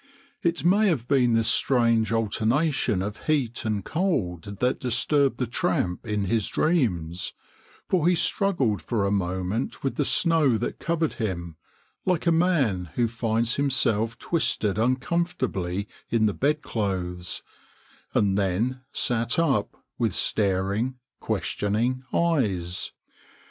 It may have been this strange alternation of heat and cold that disturbed the tramp in his dreams, for he struggled for a moment with the snow that covered him, like a man who finds himself twisted uncomfortably in the bed clothes, and then sat up with staring, questioning eyes.